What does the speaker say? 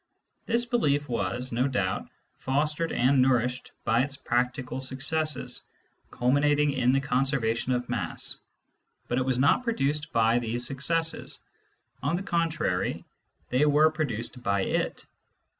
This belief was, no doubt, fostered and nourishedT)y its practical successes, culminating in the conservation of mass ; but it was not produced by these successes. On the con trary, they were produced by it.